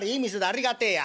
ありがてえや。